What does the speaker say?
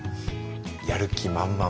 やる気満々。